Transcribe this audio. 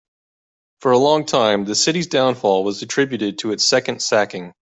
For a long time, the city's downfall was attributed to its second sacking.